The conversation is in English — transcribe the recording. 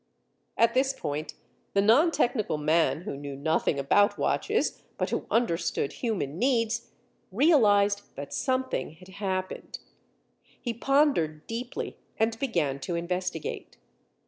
At this point, the non technical man, who knew nothing about watches, but who understood human needs, realized that something had happened; he pondered deeply and began to investigate.